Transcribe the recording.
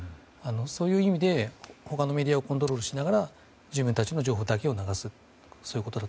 そういう意味で他のメディアをコントロールしながら自分たちの情報だけを流す。